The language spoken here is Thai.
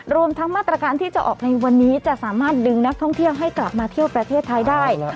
รวมทั้งมาตรการที่จะออกในวันนี้จะสามารถดึงนักท่องเที่ยวให้กลับมาเที่ยวประเทศไทยได้